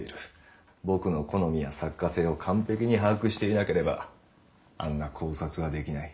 僕の好みや作家性を完璧に把握していなければあんな考察はできない。